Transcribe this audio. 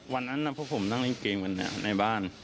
วันนั้นพวกผมนั่งเล่นเกมกันในบ้าน